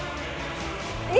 え！